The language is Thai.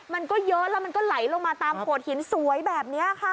มันก็เยอะแล้วมันก็ไหลลงมาตามโขดหินสวยแบบนี้ค่ะ